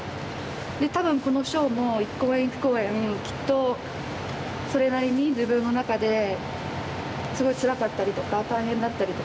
たぶんこのショーも一公演一公演きっとそれなりに自分の中ですごいつらかったりとか大変だったりとかあると思うんですけど。